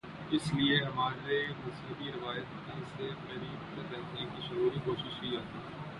اس لیے ہماری مذہبی روایت میں اس سے قریب تر رہنے کی شعوری کوشش کی جاتی ہے۔